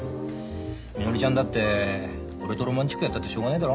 みのりちゃんだって俺とロマンチックやったってしょうがないだろ。